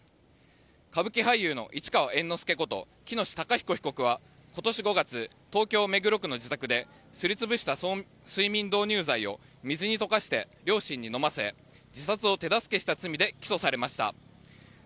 歌舞伎俳優の市川猿之助こと喜熨斗孝彦被告は今年５月、東京・目黒区の自宅ですり潰した睡眠導入剤を水に溶かして両親に飲ませ自殺を手助けした罪で起訴されました。